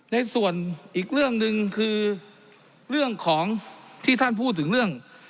ในส่วนอีกเรื่องหนึ่งคือเรื่องของที่ท่านพูดถึงเรื่อง